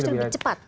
harusnya lebih cepat